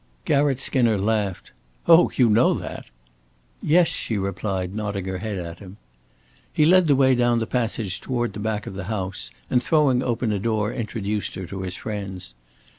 Garratt Skinner laughed. "Oh, you know that?" "Yes," she replied, nodding her head at him. He led the way down the passage toward the back of the house, and throwing open a door introduced her to his friends.